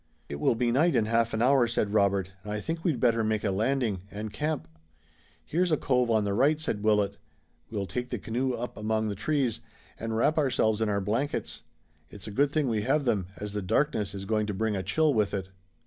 "It will be night in half an hour," said Robert, "and I think we'd better make a landing, and camp." "Here's a cove on the right," said Willet. "We'll take the canoe up among the trees, and wrap ourselves in our blankets. It's a good thing we have them, as the darkness is going to bring a chill with it."